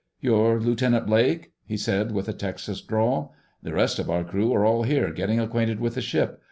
"You're Lieutenant Blake?" he said with a Texas drawl. "The rest of our crew are all here, getting acquainted with the ship.